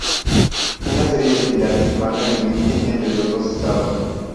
Una serie de pilares marcan el límite entre los dos estados.